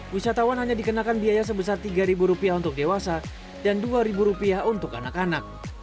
wisatawan hanya dikenakan biaya sebesar rp tiga untuk dewasa dan rp dua untuk anak anak